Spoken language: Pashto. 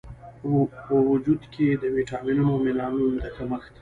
و وجود کې د ویټامینونو او منرالونو د کمښت